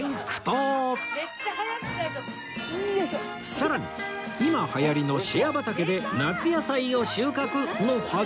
さらに今流行りのシェア畑で夏野菜を収穫！のはずが